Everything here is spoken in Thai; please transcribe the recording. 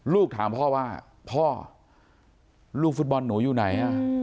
ลูกถามพ่อว่าพ่อลูกฟุตบอลหนูอยู่ไหน